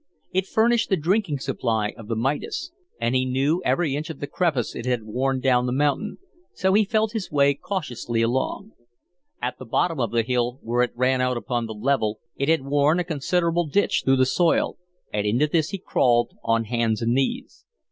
It furnished the drinking supply of the Midas, and he knew every inch of the crevice it had worn down the mountain, so felt his way cautiously along. At the bottom of the hill where it ran out upon the level it had worn a considerable ditch through the soil, and into this he crawled on hands and knees.